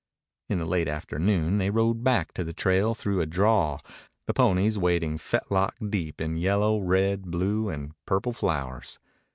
In the late afternoon they rode back to the trail through a draw, the ponies wading fetlock deep in yellow, red, blue, and purple flowers.